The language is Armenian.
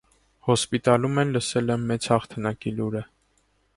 Հոսպիտալում էլ լսել է մեծ հաղթանակի լուրը։